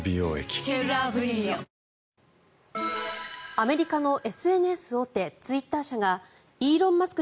アメリカのＳＮＳ大手ツイッター社がイーロン・マスク